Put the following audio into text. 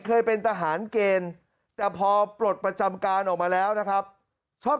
เคยเป็นทหารเกณฑ์แต่พอปลดประจำการออกมาแล้วนะครับชอบ